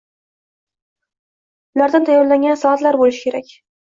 Ulardan tayyorlangan salatlar boʻlishi kerak.